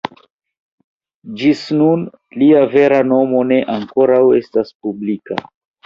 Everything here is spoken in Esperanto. Ĝis nun, lia vera nomo ne ankoraŭ estas publika.